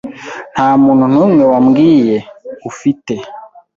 Nta muntu n'umwe wabwiye, ufite?